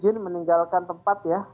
mungkin meninggalkan tempat ya